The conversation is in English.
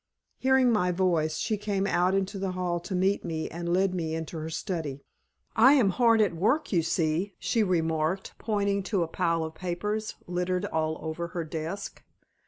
Hearing my voice, she came out into the hall to meet me, and led me into her study. "I am hard at work, you see," she remarked, pointing to a pile of papers littered all over her desk.